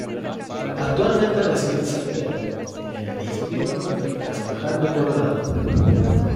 Actualmente reside en San Pedro, en el distrito de Cascajal de Coronado.